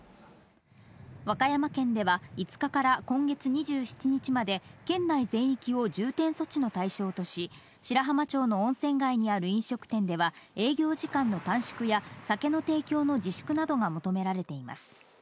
和歌山県では５日から今月２７日まで県内全域を重点措置の対象とし白浜町の温泉街にある飲食店では営業時間の短縮や酒の提供の自粛などが求められています。